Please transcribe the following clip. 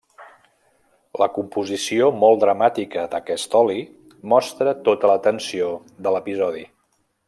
La composició molt dramàtica d'aquest oli mostra tota la tensió de l'episodi.